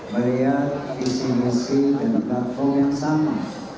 bayar visi misi dan platform yang sama